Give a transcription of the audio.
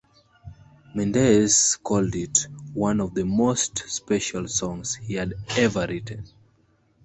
Mendes called it "one of the most special songs" he had ever written.